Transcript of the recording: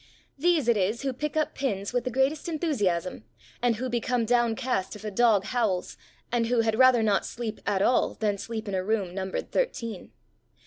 These it is who pick up pins with the greatest enthusiasm, and who become downcast if a dog howls, and who had rather not sleep at all than sleep in a room numbered thirteen.